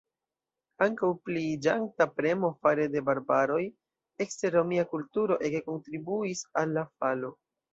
Ankaŭ pliiĝanta premo fare de "barbaroj" ekster romia kulturo ege kontribuis al la falo.